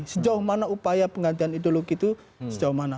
sejauh mana upaya penggantian ideologi itu sejauh mana